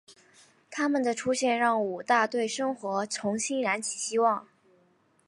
她们的出现让武大对生活重新燃起希望。